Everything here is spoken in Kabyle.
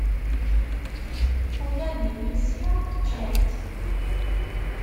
Ula d inisi ččan-t.